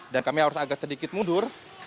dan kami harus agak sedikit mudur